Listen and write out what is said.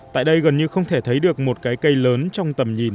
tại đây gần như không thể thấy được một cái cây lớn